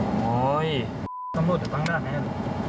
โอ้โฮต้องรู้แต่ฟังด้านไหน